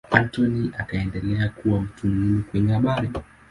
Anthony akaendelea kuwa mtu muhimu kwenye habari.